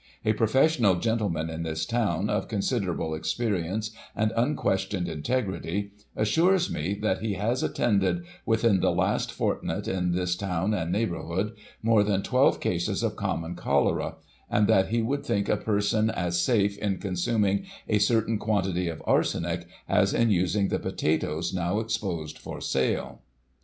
A professional gentleman in this town, of considerable experience and un questioned integrity, assures me, that he has attended, within the last fortnight, in this town and neighbourhood, more than 12 cases of common cholera, and that he would think a person as safe in consuming a certain quantity of arsenic, as in using the potatoes now exposed for sale.